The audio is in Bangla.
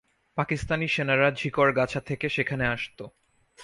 পাকিস্তানি সেনারা ঝিকরগাছা থেকে সেখানে আসত।